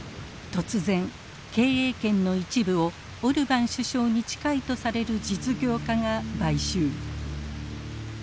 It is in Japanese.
突然経営権の一部をオルバン首相に近いとされる実業家が買収。